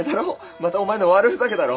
またお前の悪ふざけだろ？